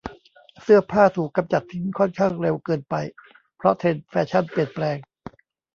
เสื้อผ่าถูกกำจัดทิ้งค่อนข้างเร็วเกินไปเพราะเทรนด์แฟชั่นเปลี่ยนแปลง